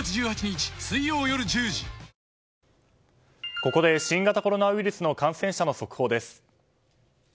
ここで新型コロナウイルスの感染者の速報です。